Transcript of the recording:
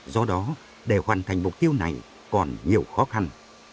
do đó để hoàn thành mục tiêu này còn nhiều khó khăn